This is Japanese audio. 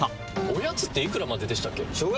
おやつっていくらまででしたっけ？